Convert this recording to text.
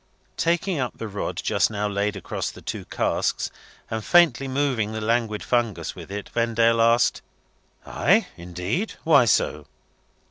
Taking up the rod just now laid across the two casks, and faintly moving the languid fungus with it, Vendale asked, "Ay, indeed? Why so?"